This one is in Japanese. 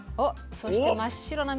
そして真っ白な身。